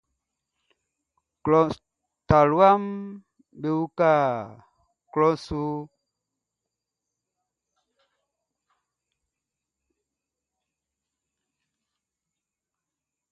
Taluaʼm be uka be awlobofuɛʼm be tralɛʼm be tɛtɛlɛʼn su.